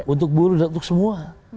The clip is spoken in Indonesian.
untuk buruh dan untuk semua